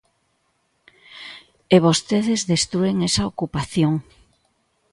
E vostedes destrúen esa ocupación.